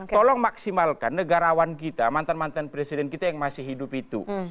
tolong maksimalkan negarawan kita mantan mantan presiden kita yang masih hidup itu